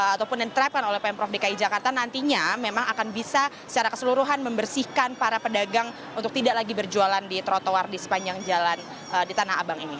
ataupun yang diterapkan oleh pemprov dki jakarta nantinya memang akan bisa secara keseluruhan membersihkan para pedagang untuk tidak lagi berjualan di trotoar di sepanjang jalan di tanah abang ini